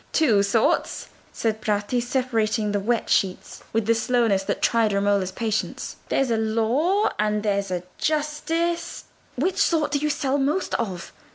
"Two sorts," said Bratti, separating the wet sheets with a slowness that tried Romola's patience. "There's 'Law,' and there's 'Justice.'" "Which sort do you sell most of?"